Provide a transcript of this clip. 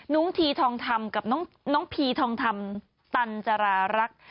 น้องทีทองคำกับน้องพีทองคำตันจรารักษ์